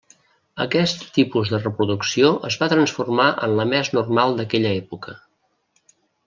Aquest tipus de reproducció es va transformar en la més normal d'aquella època.